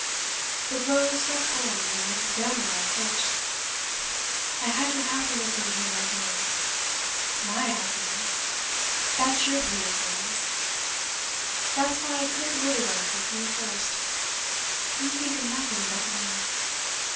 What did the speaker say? The blow struck home, and Mrs. Damerel flinched. 'I had your happiness in view, my dear.' 'My happiness! that's your view of things; that's why I couldn't really like you, from the first. You think of nothing but money.